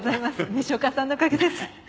西岡さんのおかげです。